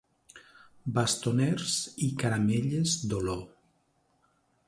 Bastoners i Caramelles d'Oló.